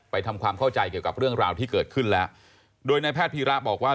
ทำความเข้าใจเกี่ยวกับเรื่องราวที่เกิดขึ้นแล้วโดยนายแพทย์พีระบอกว่า